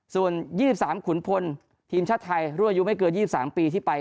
ส่วนยี่สิบสามขุนพลทีมชาติไทยรั่วอยู่ไม่เกินยี่สิบสามปีที่ไป